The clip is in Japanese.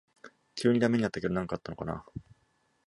急にダメになったけど何かあったのかな